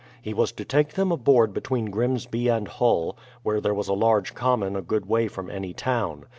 He was to take them aboard between Grimsby and Hull, where there was a large common a good way from any town.